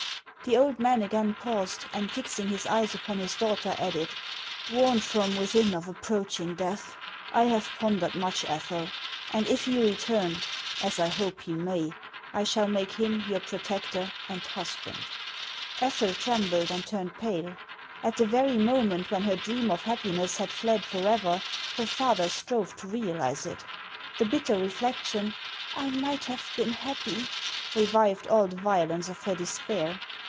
The old man again paused, and fixing his eyes upon his daughter, added :" Warned from within of approaching death, I have pondered much, Ethel , and if he return, as I hope he may, I shall make him your protector and husband." Ethel trembled and turned pale , at the veiy moment when her dream of happiness had fled forever, her father strove to realize it. The bitter reflection, " I might have been happy !" revived all the violence of her despair.